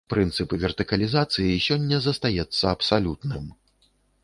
Прынцып вертыкалізацыі сёння застаецца абсалютным.